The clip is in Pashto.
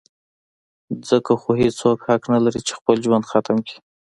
ځکه خو هېڅوک حق نه لري چې خپل ژوند ختم کي.